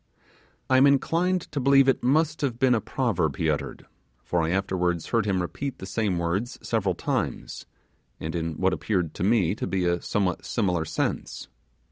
I am inclined to believe it must have been a proverb he uttered; for I afterwards heard him repeat the same words several times, and in what appeared to me to be a somewhat: similar sense.